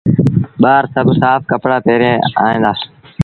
ٻآر سڀ سآڦ ڪپڙآ پهري ائيٚݩ دآ۔